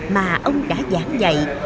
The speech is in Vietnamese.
mà ông đã giảng dạy